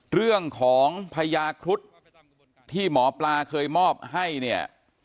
เรื่องของพญาครุฑที่หมอปลาเคยมอบให้เนี่ย